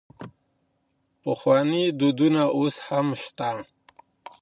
پخواني دودونه اوس هم سته.